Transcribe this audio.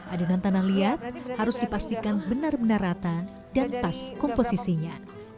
adonan tanah liat harus dipastikan benar benar rata dan pas komposisinya